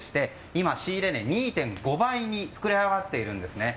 今、仕入れ値、２．５倍に膨れ上がっているんですね。